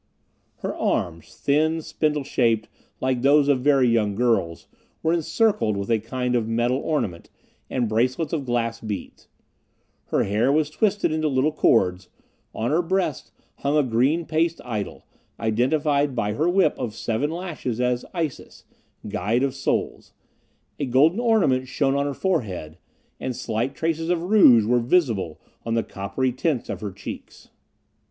Her arms, thin, spindle shaped, like those of very young girls, were encircled with a kind of metal ornament, and bracelets of glass beads; her hair was twisted into little cords; on her breast hung a green paste idol, identified by her whip of seven lashes as Isis, guide of souls a golden ornament shone on her forehead, and slight traces of rouge were visible on the coppery tints of her cheeks.